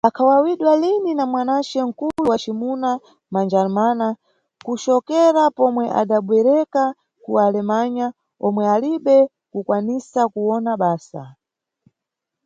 Akhawawidwa lini na mwanace mkulu wa cimuna Madjarmana, kucokera pomwe adabwerera ku Alemanha, omwe alibe kukwanisa kuwona basa.